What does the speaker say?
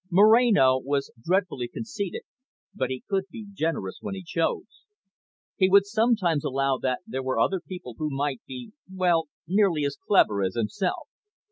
Moreno was dreadfully conceited, but he could be generous when he chose. He would sometimes allow that there were other people who might be well, nearly as clever as himself.